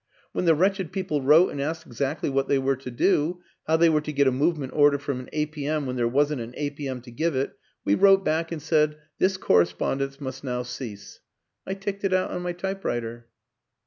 When the wretched people wrote and asked exactly what they were to do how they were to get a move ment order from an A. P. M. when there wasn't an A. P. M. to give it, we wrote back and said, * This correspondence must now cease.' I ticked it out on my typewriter."